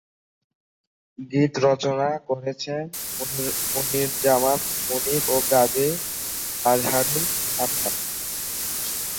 গীত রচনা করেছেন মনিরুজ্জামান মনির ও গাজী মাজহারুল আনোয়ার।